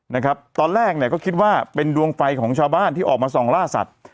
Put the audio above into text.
นะครับตอนแรกเนี่ยก็คิดว่าเป็นดวงไฟของชาวบ้านที่ออกมาส่องล่าสัตว์